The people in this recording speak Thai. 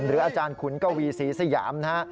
อาจารย์ขุนกวีศรีสยามนะฮะ